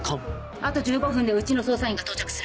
あと１５分でうちの捜査員が到着する。